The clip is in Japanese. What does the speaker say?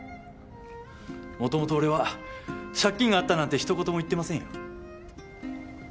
もともと俺は借金があったなんてひと言も言ってませんよ。